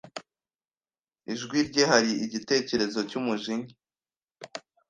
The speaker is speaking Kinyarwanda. Ijwi rye hari igitekerezo cyumujinya